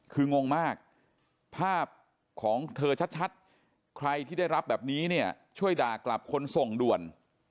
คืองงมากภาพของเธอชัดใครที่ได้รับแบบนี้เนี่ยช่วยด่ากลับคนส่งด่วน